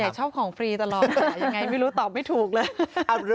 ชอบของฟรีตลอดยังไงไม่รู้ตอบไม่ถูกเลย